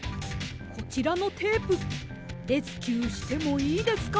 こちらのテープレスキューしてもいいですか？